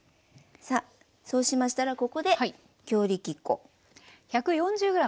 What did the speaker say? さあそうしましたらここで強力粉。